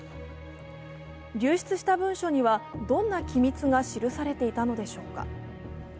流出した文書には、どんな機密が記されていたのでしょうか。